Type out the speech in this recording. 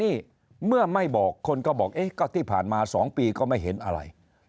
นี่เมื่อไม่บอกคนก็บอกเอ๊ะก็ที่ผ่านมา๒ปีก็ไม่เห็นอะไร